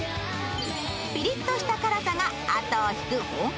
ピリッとした辛さが後を引く本格